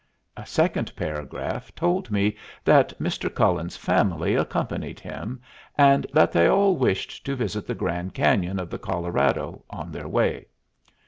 A second paragraph told me that Mr. Cullen's family accompanied him, and that they all wished to visit the Grand Cañon of the Colorado on their way.